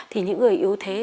thì những người yếu thế